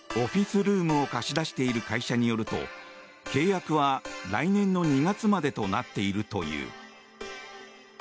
オフィスルームを貸し出している会社によると契約は来年の２月までとなっているという。